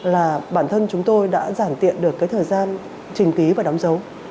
là bản thân chúng tôi đã giảm tiện được thời gian trình ký và đóng dấu